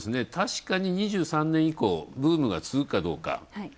確かに２３年以降、ブームが続くかどうか。